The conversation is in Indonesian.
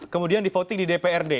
kemudian di voting di dprd